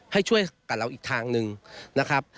ให้ช่วยกับเราอีกทางหนึ่งนะครับ